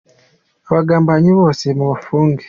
Abagambanyi bose mubafunge.